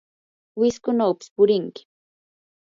wiskunawpis purinki.